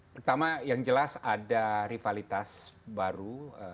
pertama yang jelas ada rivalitas baru